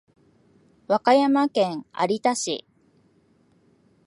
和歌山県有田市